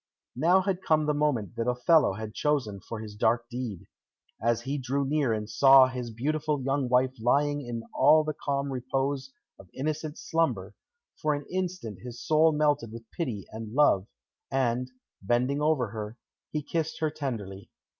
Now had come the moment that Othello had chosen for his dark deed. As he drew near and saw his beautiful young wife lying in all the calm repose of innocent slumber, for an instant his soul melted with pity and love, and, bending over her, he kissed her tenderly.